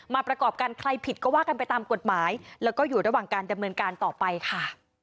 ประกอบกันใครผิดก็ว่ากันไปตามกฎหมายแล้วก็อยู่ระหว่างการดำเนินการต่อไปค่ะ